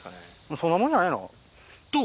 そんなもんじゃねえの？と！